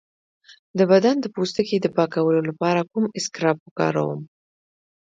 د بدن د پوستکي د پاکولو لپاره کوم اسکراب وکاروم؟